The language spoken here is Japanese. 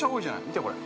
見て、これ。